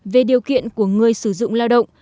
về điều kiện của người sử dụng lao động